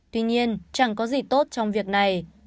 tuy nhiên chẳng có gì tốt trong việc này